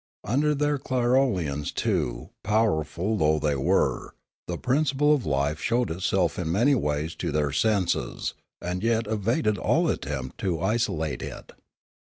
Under their clirolans too, powerful though they were, the principle of life showed itself in many ways to their senses, and yet evaded all attempt to isolate it.